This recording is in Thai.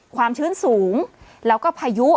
ความชื้นสูงแล้วก็พายุ